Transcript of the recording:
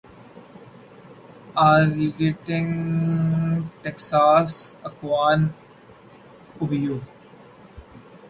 Arlington Texas Akron Ohio